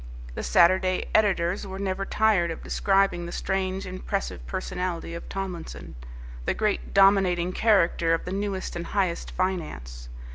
The Saturday editors were never tired of describing the strange, impressive personality of Tomlinson, the great dominating character of the newest and highest finance.